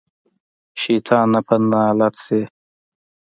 شيطانه په نالت شې.